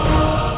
aku akan menang